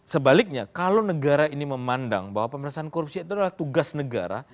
sebaliknya kalau negara ini memandang bahwa pemerintahan korupsi itu adalah tugas negara